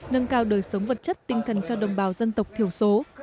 nâng cao đời sống vật chất tinh thần cho đồng bào dân tộc thiểu số